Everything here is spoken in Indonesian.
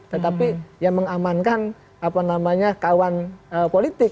tetapi yang mengamankan kawan politik